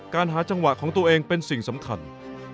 หาจังหวะของตัวเองเป็นสิ่งสำคัญ